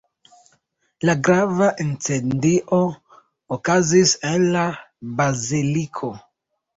La grava incendio okazis en la baziliko.